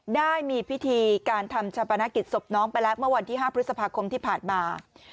ได้มีพิธีการทำชาปนกิจศพน้องไปแล้วเมื่อวันที่๕พฤษภาคมที่ผ่านมา